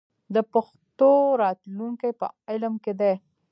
د پښتو راتلونکی په علم کې دی.